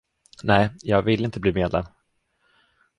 Nej, jag vill inte bli medlem.